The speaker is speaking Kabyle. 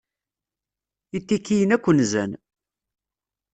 Itikiyen akk nzan.